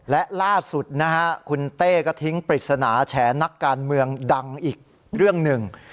และล่าสุดนะฮะคุณเต้ก็ทิ้งปริศนาแฉนักการเมืองดังอีกเรื่องหนึ่ง